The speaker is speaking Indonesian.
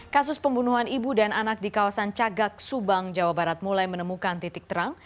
kasus pembunuhan ibu dan anak di kawasan cagak subang jawa barat mulai menemukan titik terang